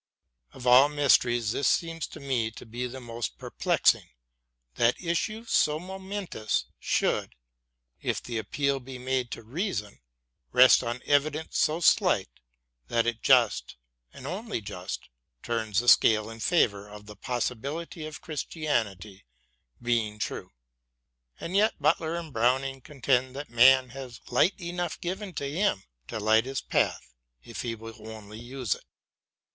Of all mysteries this seems to him to be the most perplexing that issues so momentous should, if the appeal be made to reason, rest on evidence so slight that it just, and only just, turns the scale in favour of the probability of Christianity being true. And yet both Butler and Browning con tend that man has light enough given to him to light his path if he will only use it.